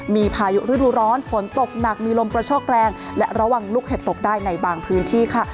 มีพายุฤดูร้อนฝนตกหนักมีลมกระโชกแรงและระวังลูกเห็บตกได้ในบางพื้นที่ค่ะ